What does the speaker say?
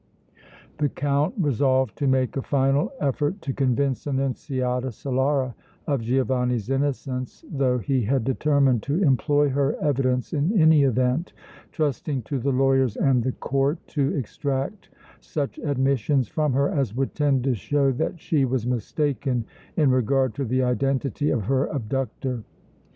The Count resolved to make a final effort to convince Annunziata Solara of Giovanni's innocence, though he had determined to employ her evidence in any event, trusting to the lawyers and the Court to extract such admissions from her as would tend to show that she was mistaken in regard to the identity of her abductor.